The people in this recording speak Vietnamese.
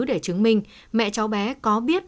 để chứng minh mẹ cháu bé có biết